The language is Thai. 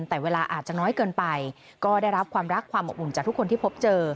แต่เวลาอาจจะน้อยเกินไปก็ได้รับความรักความอบอุ่นจากทุกคนที่พบเจอ